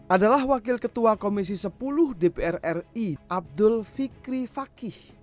adalah wakil ketua komisi sepuluh dpr ri abdul fikri fakih